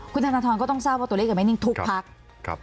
คุณธนทรก็ต้องทราบว่าตัวเลขยังไม่นิ่งทุกพัก